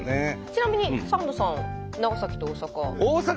ちなみにサンドさん長崎と大阪。